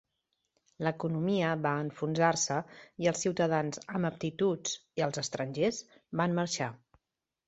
L'economia va enfonsar-se i els ciutadans amb aptituds i els estrangers van marxar.